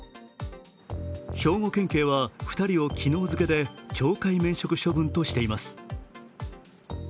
兵庫県警は２人を昨日付けで懲戒免職処分としています。